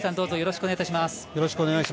よろしくお願いします。